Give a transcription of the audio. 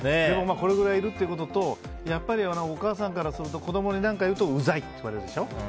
これぐらいいるということとやっぱりお母さんからすると子供に何か言うとうざいって言われるでしょ。